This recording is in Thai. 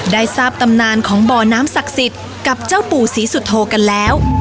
ได้ทราบตำนานของบ่อน้ำศักดิ์สิทธิ์กับเจ้าปู่ศรีสุโธกันแล้ว